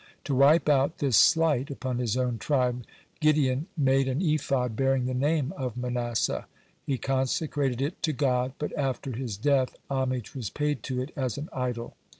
To wipe out this slight upon his own tribe, Gideon made an ephod bearing the name of Manasseh. He consecrated it to God, but after his death homage was paid to it as an idol.